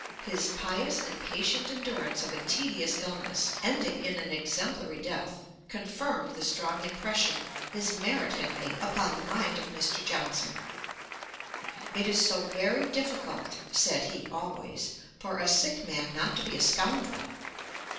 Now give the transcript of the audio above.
175): 'His pious and patient endurance of a tedious illness, ending in an exemplary death, confirmed the strong impression his merit had made upon the mind of Mr. Johnson. "It is so very difficult," said he always, "for a sick man not to be a scoundrel."'